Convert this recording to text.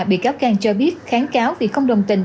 bị cáo cang cho biết kháng cáo vì không đồng tình